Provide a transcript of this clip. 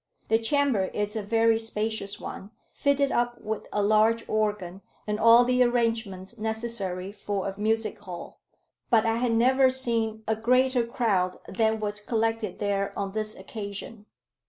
The chamber is a very spacious one, fitted up with a large organ, and all the arrangements necessary for a music hall; but I had never seen a greater crowd than was collected there on this occasion.